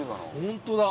ホントだ。